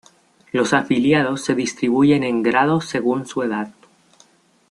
Los afiliados se distribuyen en grados según su edad.